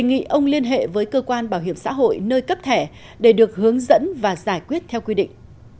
đề nghị ông liên hệ với cơ quan bảo hiểm xã hội nơi cấp thẻ để được hướng dẫn và giải quyết theo quy định